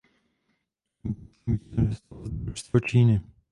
Olympijským vítězem se stalo družstvo Číny.